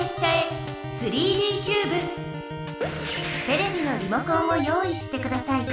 テレビのリモコンを用意してください。